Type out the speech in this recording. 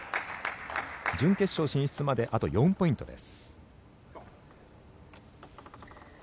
準決勝進出まであと４ポイントです。